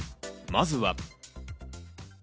まずは。